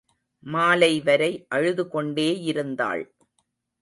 மாலை வரை அழுதுகொண்டேயிருந்தாள்.